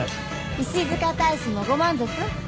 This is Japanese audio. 石塚大使もご満足？